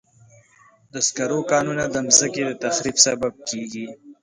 د سکرو کانونه د مځکې د تخریب سبب کېږي.